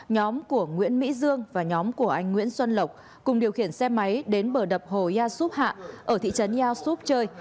nhóm của nguyễn mỹ dương và nhóm của anh nguyễn xuân lộc cùng điều khiển xe máy đến bờ đập hồ gia súp hạ ở thị trấn gia súp trời